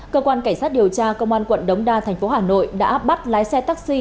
cơ quan cảnh sát điều tra công an quận đống đa tp hà nội đã bắt lái xe taxi